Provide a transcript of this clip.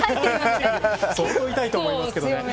相当痛いと思いますけどね。